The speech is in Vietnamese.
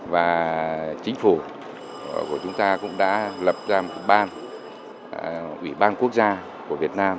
và chính phủ của chúng ta cũng đã lập ra ban ủy ban quốc gia của việt nam